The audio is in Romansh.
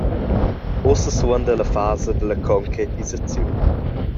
Ussa suonda la fasa dalla concretisaziun.